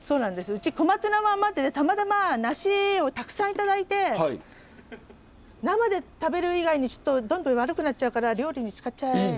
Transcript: うち小松菜も余っててたまたま梨をたくさん頂いて生で食べる以外にちょっとどんどん悪くなっちゃうから料理に使っちゃえみたいな。